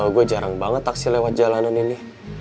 gue jarang banget taksi lewat jalanan ini